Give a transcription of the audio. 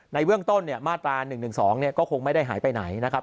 ในเวืองต้นเนี่ยมาตรา๑๑๒เนี่ยก็คงไม่ได้หายไปไหนนะครับ